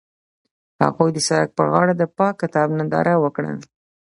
هغوی د سړک پر غاړه د پاک کتاب ننداره وکړه.